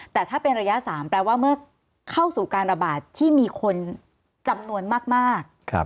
แต่ถ้าเป็นระยะ๓แปลว่าเมื่อเข้าสู่การระบาดที่มีคนจำนวนมาก